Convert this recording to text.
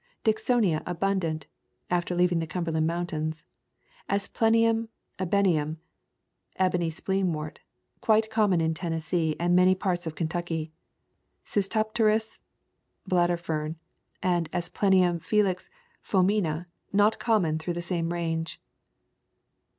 Dicksonia abun dant, after leaving the Cumberland Mountains. Asplenium ebeneum [Ebony Spleenwort] quite common in Tennessee and many parts of Ken tucky. Cystopteris [Bladder Fern], and Asplen tum filix feemina not common through the same range.